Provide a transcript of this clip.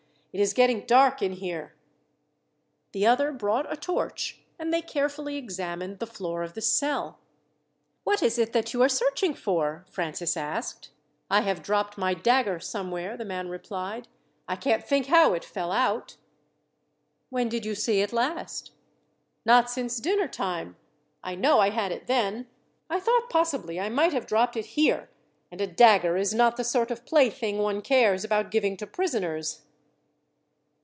"It is getting dark in here." The other brought a torch, and they carefully examined the floor of the cell. "What is it that you are searching for?" Francis asked. "I have dropped my dagger somewhere," the man replied. "I can't think how it fell out." "When did you see it last?" "Not since dinner time. I know I had it then. I thought possibly I might have dropped it here, and a dagger is not the sort of plaything one cares about giving to prisoners."